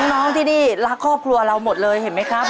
น้องที่นี่รักครอบครัวเราหมดเลยเห็นไหมครับ